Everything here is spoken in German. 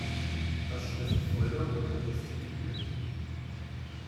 Das Stift Fulda wurde restituiert.